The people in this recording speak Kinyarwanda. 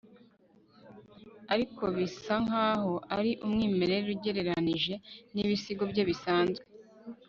ariko, birasa nkaho ari umwimerere ugereranije nibisigo bye bisanzwe